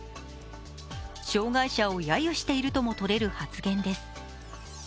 障害者を揶揄しているとも取れる発言です。